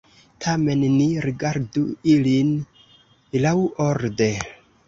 Tamen ni rigardu ilin laŭorde.